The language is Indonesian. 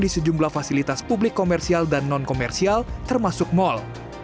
di sejumlah fasilitas publik komersial dan non komersial termasuk mal